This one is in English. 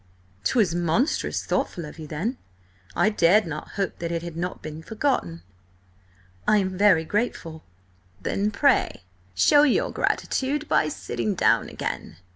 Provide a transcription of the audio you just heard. "'Twas monstrous thoughtful of you then. I dared not hope that it had not been forgotten. I am very grateful—" "Then pray show your gratitude by sitting down again!"